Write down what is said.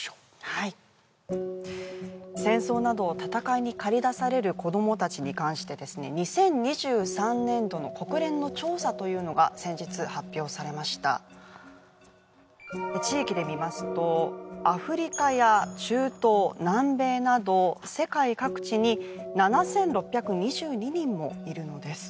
はい戦争など戦いに駆り出される子どもたちに関してですね２０２３年度の国連の調査というのが先日発表されました地域で見ますとアフリカや中東南米など世界各地に７６２２人もいるのです